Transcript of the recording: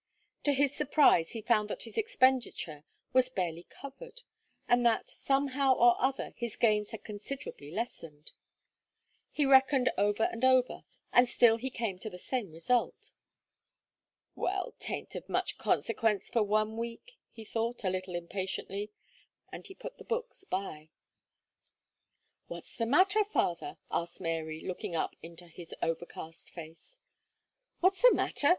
To his surprise, he found that his expenditure was barely covered, and that, somehow or other, his gains had considerably lessened. He reckoned over and over, and still he came to the same result. "Well, 'taint of much consequence for one week," he thought, a little impatiently, and he put the books by. "What's the matter, father?" asked Mary, looking up into his overcast face. "What's the matter!"